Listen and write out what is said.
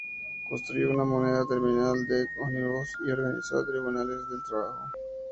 Construyó una moderna Terminal de Ómnibus y organizó los Tribunales del Trabajo.